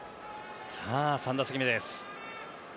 ３打席目です。